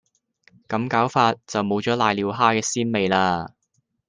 咁搞法就冇咗攋尿蝦嘅鮮味喇